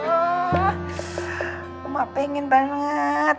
emang pengen banget